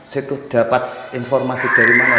saya tuh dapat informasi dari mana